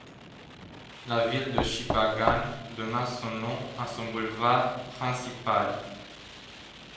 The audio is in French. La ville de Shippagan donna son nom à son boulevard principal.